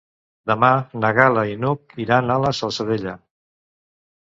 Demà na Gal·la i n'Hug iran a la Salzadella.